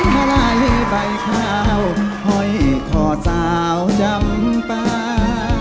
หลายใบขาวหอยขอดสาวจำป่า